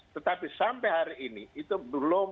tetapi sampai hari ini itu belum